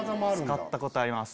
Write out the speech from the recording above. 使ったことあります。